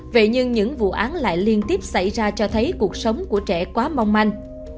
vậy nhưng những vụ án lại liên tiếp xảy ra cho thấy cuộc sống của trẻ quá mong manh